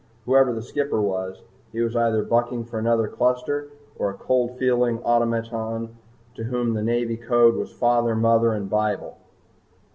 Whoever the skipper was, he was either bucking for another cluster or a cold feeling automaton to whom the Navy Code was father, mother, and Bible.